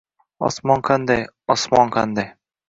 «Osmon qanday, osmon qanday